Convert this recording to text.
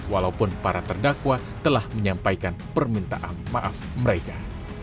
walaupun para terdakwa telah menyampaikan permintaan maaf mereka